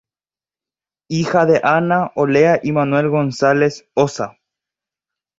Hija de Ana Olea y Manuel González Ossa.